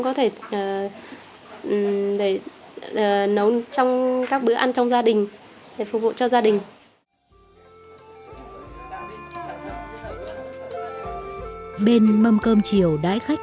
cá chép có mùi thơm rất là đặc trưng không giống như chất x rank không giống với bất cứ nơi nào